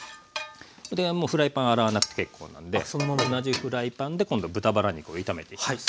でフライパン洗わなくて結構なんで同じフライパンで今度豚バラ肉を炒めていきます。